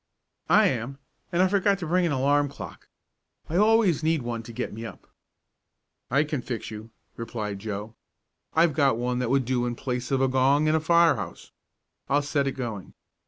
"I am, and I forgot to bring an alarm clock. I always need one to get me up." "I can fix you," replied Joe. "I've got one that would do in place of a gong in a fire house. I'll set it going."